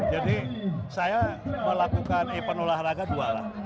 jadi saya melakukan event olahraga dua lah